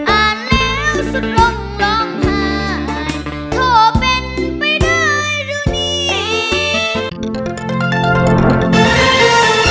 อ่านแล้วสุดลมลองหายโทษเป็นไปได้ดูนี่